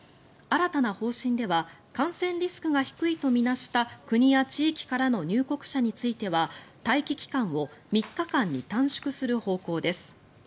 新たな方針では感染リスクが低いと見なした国や地域からの入国者については待機期間を３日間に短縮する方向です。